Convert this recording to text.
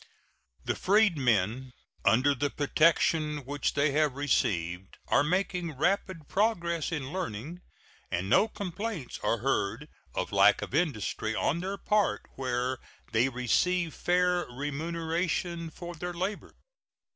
The freedmen, under the protection which they have received, are making rapid progress in learning, and no complaints are heard of lack of industry on their part where they receive fair remuneration for their labor.